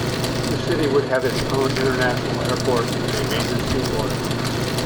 The city would have its own international airport and a major seaport.